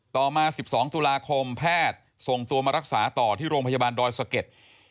ต่อมา๑๒ตุลาคมแพทย์ส่งตัวมารักษาต่อที่โรงพยาบาลดอยสะเก็ด